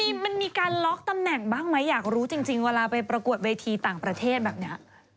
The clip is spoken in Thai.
มันมีการล็อกตำแหน่งบ้างไหมอยากรู้จริงเวลาไปประกวดเวทีต่างประเทศแบบนี้